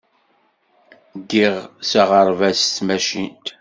Ddiɣ s aɣerbaz s tmacint.